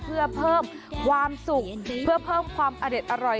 เพื่อเพิ่มความสุขเพื่อเพิ่มความอเด็ดอร่อย